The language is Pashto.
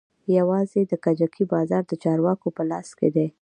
يوازې د کجکي بازار د چارواکو په لاس کښې دى.